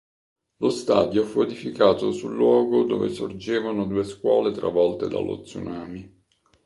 Lo stadio fu edificato sul luogo dove sorgevano due scuole travolte dallo tsunami.